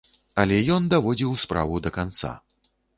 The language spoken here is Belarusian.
Але ён даводзіў справу да канца.